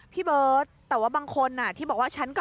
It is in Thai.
พี่เบิร์ดแต่ว่าบางคนที่บอกว่า